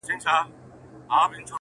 هر یوه چي مي په مخ کي پورته سر کړ،